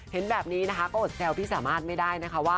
เห็นแบบนี้ก็โอดแซลพี่สามารถไม่ได้